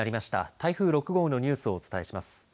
台風６号のニュースをお伝えします。